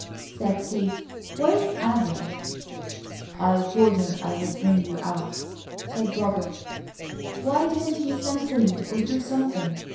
said Kate. "Where's Adam?" "I told him I'd bring you out," said Robert. "Why didn't he send for you, or do something?"